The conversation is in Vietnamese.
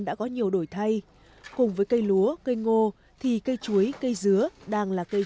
đã có nhiều đổi thay cùng với cây lúa cây ngô thì cây chuối cây dứa đang là cây